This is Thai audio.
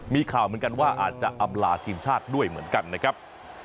มีข่าวเหมือนกันว่าอาจจะอำลาทีมชาติด้วยเหมือนกันนะครับ